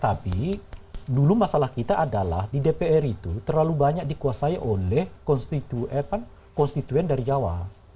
tapi dulu masalah kita adalah di dpr itu terlalu banyak dikuasai oleh konstituen dari jawa